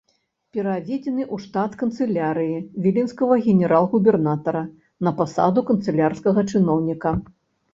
Пераведзены ў штат канцылярыі віленскага генерал-губернатара на пасаду канцылярскага чыноўніка.